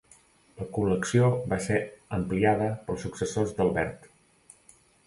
La col·lecció va ser ampliada pels successors d'Albert.